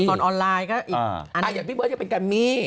ฮอร์นออนไลน์ก็อีกอันนี้อย่างพี่เบอร์จะเป็นการมี